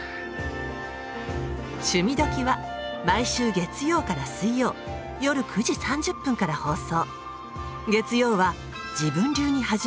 「趣味どきっ！」は毎週月曜から水曜夜９時３０分から放送。